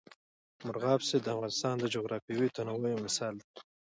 مورغاب سیند د افغانستان د جغرافیوي تنوع یو مثال دی.